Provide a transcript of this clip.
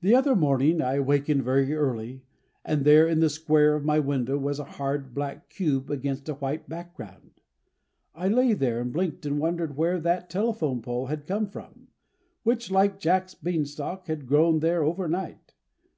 The other morning I awakened very early and there in the square of my window was a hard, black cube against a white background. I lay there and blinked and wondered where that telephone pole had come from, which like Jack's beanstalk, had grown there overnight.